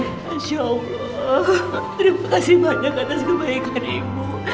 insya allah terima kasih banyak atas kebaikan ibu